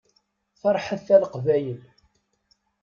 Ferḥet a Leqbayel!